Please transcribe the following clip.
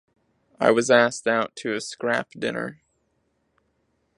I was asked out to a scrap dinner.